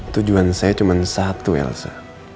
tujuan saya cuma satu elsa